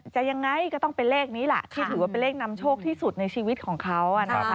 ยังไงก็ต้องเป็นเลขนี้แหละที่ถือว่าเป็นเลขนำโชคที่สุดในชีวิตของเขา